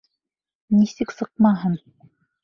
Нисек сыҡмаһын?